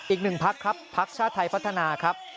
อีกหนึ่งพักครับพักชาติไทยพัฒนาครับ